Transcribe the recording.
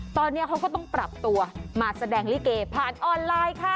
ตอนนี้เขาก็ต้องปรับตัวมาแสดงลิเกผ่านออนไลน์ค่ะ